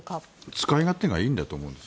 使い勝手がいいんだと思うんです。